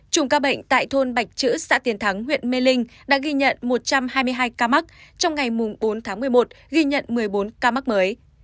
chủng ca bệnh tại thôn bạch chữ xã tiền thắng huyện mê linh đã ghi nhận một trăm hai mươi hai ca mắc trong ngày bốn tháng một mươi một ghi nhận một mươi bốn ca mắc mới